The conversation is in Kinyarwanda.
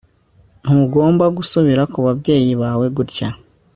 ntugomba gusubira kubabyeyi bawe gutya